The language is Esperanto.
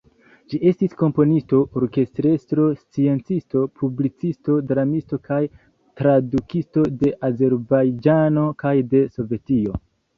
Ĝi estis komponisto, orkestrestro, sciencisto, publicisto, dramisto kaj tradukisto de Azerbajĝano kaj de Sovetio.